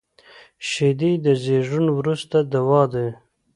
شیدې د زیږون وروسته دوا دي